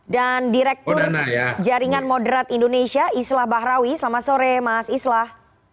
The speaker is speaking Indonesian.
dan direktur jaringan moderat indonesia islah bahrawi selamat sore mas islah